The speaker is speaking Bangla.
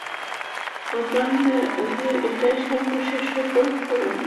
উড্ডয়নের আগে এটাই সর্বশেষ সতর্কবাণী।